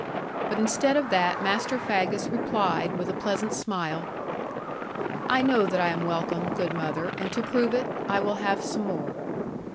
But instead of that, Master Faggus replied, with a pleasant smile, 'I know that I am welcome, good mother; and to prove it, I will have some more.'